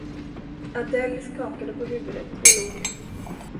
Adele skakade på huvudet och log.